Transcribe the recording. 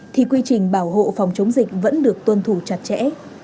thì quy trình bảo hộ phòng chống dịch vẫn được tuân thủ chặt chẽ